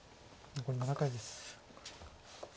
残り７回です。